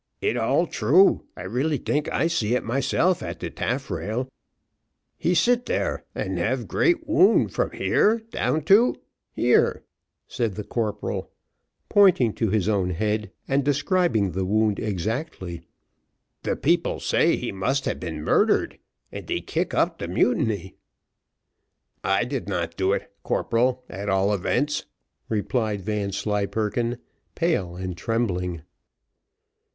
it all true, I really think I see it myself at de taffrail, he sit there and have great wound from here down to," said the corporal, pointing to his own head, and describing the wound exactly. "The people say that he must have been murdered, and dey kick up de mutiny." "I did not do it, corporal, at all events," replied Vanslyperken, pale and trembling.